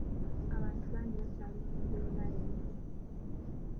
Abantu bangi bakyali mu mbeera embi.